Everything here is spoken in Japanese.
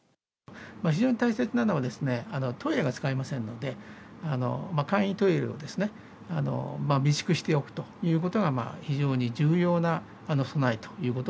非常に大切なのは、トイレが使えませんので、簡易トイレを備蓄しておくということが非常に重要な備えというこ